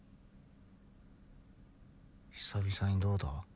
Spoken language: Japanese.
久々にどうだ？